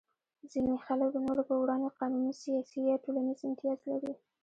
ځینې خلک د نورو په وړاندې قانوني، سیاسي یا ټولنیز امتیاز لري.